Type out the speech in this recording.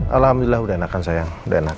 alhamdulillah udah enakan sayang